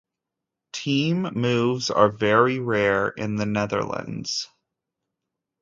Team moves are very rare in the Netherlands.